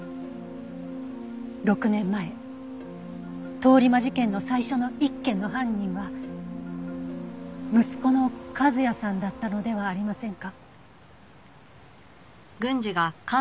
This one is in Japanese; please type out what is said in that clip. ６年前通り魔事件の最初の１件の犯人は息子の和哉さんだったのではありませんか？